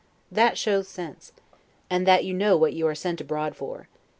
That shows sense, and that you know what you are sent abroad for.